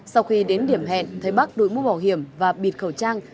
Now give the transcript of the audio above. sau khi đến điểm hẹn thấy bắc đội mũ bảo hiểm và bịt khẩu trang